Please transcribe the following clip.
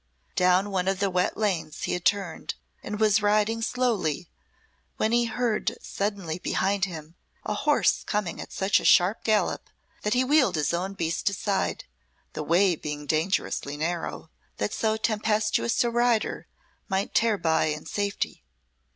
Down one of the wet lanes he had turned and was riding slowly when he heard suddenly behind him a horse coming at such a sharp gallop that he wheeled his own beast aside, the way being dangerously narrow, that so tempestuous a rider might tear by in safety.